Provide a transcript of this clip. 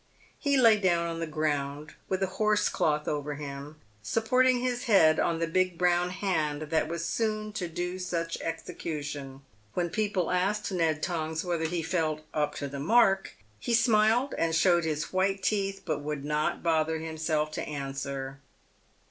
He lay down on the ground, with a horse cloth over him, supporting his head on the big brown hand that was soon to do such execution. When people asked Ned Tongs whether he felt "up to the mark," he smiled and showed his white teeth, but would not bother himself to answer.